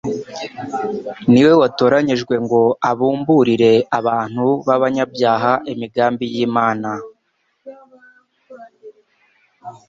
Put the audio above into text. ni we watoranijwe ngo abumburire abantu b'abanyabyaha imigambi y'Imana